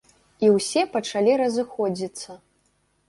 І ўсе пачалі разыходзіцца.